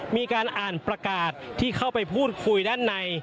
มีการอ่านประกาศที่เข้าไปพูดคุยด้านใน